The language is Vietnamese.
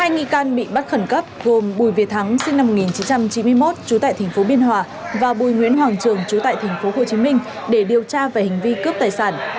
hai nghi can bị bắt khẩn cấp gồm bùi việt thắng sinh năm một nghìn chín trăm chín mươi một trú tại tp biên hòa và bùi nguyễn hoàng trường trú tại tp hcm để điều tra về hành vi cướp tài sản